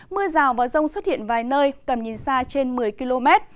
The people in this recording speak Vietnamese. mưa rào và rông xuất hiện vài nơi tầm nhìn xa trên một mươi km